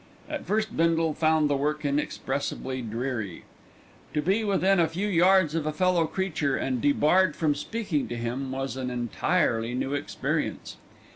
At first Bindle found the work inexpressibly dreary. To be within a few yards of a fellow creature and debarred from speaking to him was an entirely new experience.